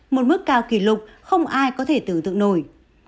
một mức cao kỷ lục không ai có thể tưởng tượng nổi